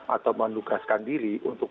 atau menugaskan diri untuk